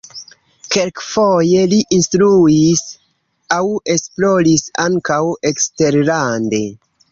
Kelkfoje li instruis aŭ esploris ankaŭ eksterlande.